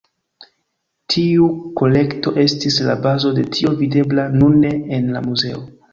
Tiu kolekto estis la bazo de tio videbla nune en la muzeo.